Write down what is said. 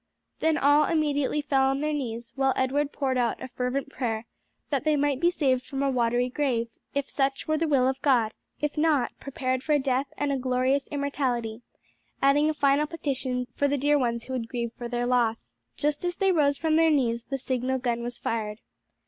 Then all immediately fell on their knees while Edward poured out a fervent prayer, that they might be saved from a watery grave, if such were the will of God, if not, prepared for death and a glorious immortality; adding a final petition for the dear ones who would grieve for their loss. Just as they rose from their knees the signal gun was fired.